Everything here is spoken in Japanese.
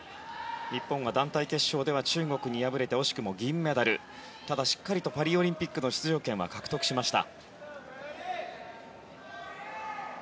日本は団体決勝では中国に敗れて惜しくも銀メダルただしっかりとパリオリンピックの出場権は獲得しました。